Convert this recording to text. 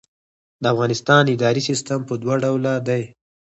د افغانستان اداري سیسټم په دوه ډوله دی.